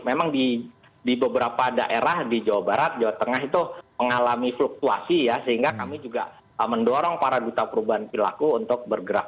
memang di beberapa daerah di jawa barat jawa tengah itu mengalami fluktuasi ya sehingga kami juga mendorong para duta perubahan perilaku untuk bergerak